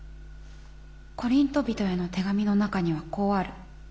コリント人への手紙の中にはこうある。